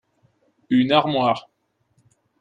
Une armoire.